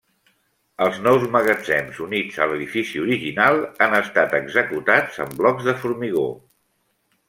Els nous magatzems units a l'edifici original han estat executats amb blocs de formigó.